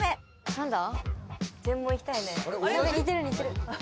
・何だ？